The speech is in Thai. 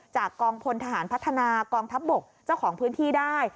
กองพลทหารพัฒนากองทัพบกเจ้าของพื้นที่ได้